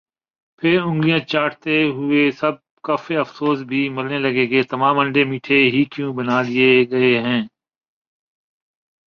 پھر انگلیاں چاٹتے ہوئے سب کف افسوس بھی ملنے لگے کہ تمام انڈے میٹھے ہی کیوں نہ بنا لئے گئے